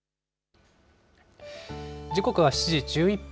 時刻は７時１１分。